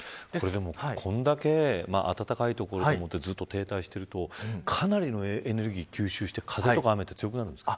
でも、これだけ暖かい所でずっと停滞しているとかなりのエネルギーを吸収して風とか雨は強くなるんですか。